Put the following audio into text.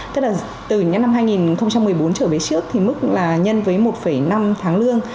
tức là từ những năm hai nghìn một mươi bốn trở về trước thì mức là nhân với một năm tháng lương